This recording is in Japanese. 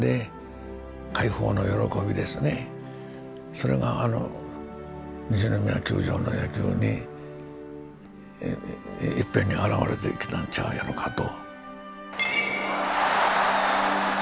それがあの西宮球場の野球にいっぺんにあらわれてきたんちゃうやろかと。